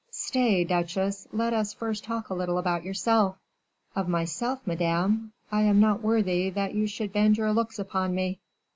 "Stay, duchesse; let us first talk a little about yourself." "Of myself, madame! I am not worthy that you should bend your looks upon me."